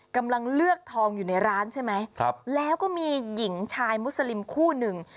กำลังเลือกทองอยู่ในร้านใช่ไหมครับแล้วก็มีหญิงชายมุสลิมคู่หนึ่ง